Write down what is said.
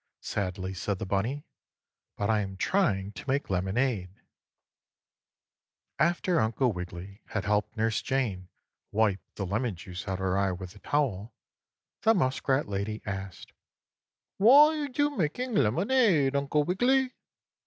sadly said the bunny. "But I am trying to make lemonade." 2. After Uncle Wiggily had helped Nurse Jane wipe the lemon juice out of her eye with the towel, the muskrat lady asked: "Why are you making lemonade, Uncle Wiggily?"